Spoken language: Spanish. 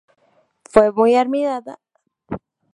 Fue muy admirada por Ravel, Hahn y Messager, entre otros.